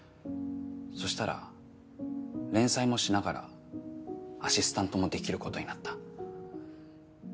そしたら連載もしながらアシスタントもできることになった。